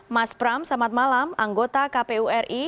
mas pram selamat malam anggota kpu ri